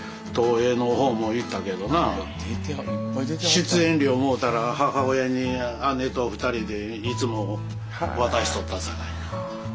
出演料もろたら母親に姉と２人でいつも渡しとったさかい。